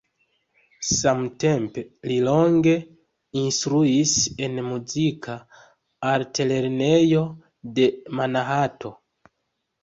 Samtempe li longe instruis en muzika altlernejo de Manhatano.